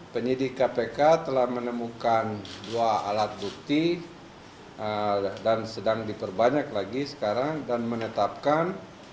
penyidik kpk telah menemukan dua alat bukti dan sedang diperbanyak lagi sekarang dan menetapkan